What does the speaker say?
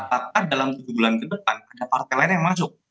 karena dalam tujuh bulan ke depan ada partai lainnya yang masuk